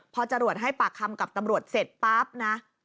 พอจรวดให้ปากคำกับตำรวจเสร็จปั๊บนะ